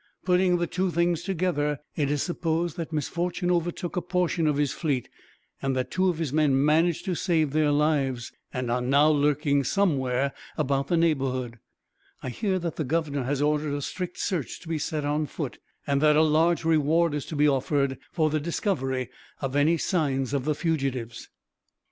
Putting the two things together, it is supposed that misfortune overtook a portion of his fleet, and that two of his men managed to save their lives, and are now lurking somewhere about the neighborhood I hear that the governor has ordered a strict search to be set on foot, and that a large reward is to be offered for the discovery of any signs of the fugitives."